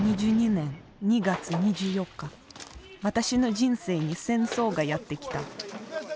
２０２２年２月２４日私の人生に「戦争」がやってきた。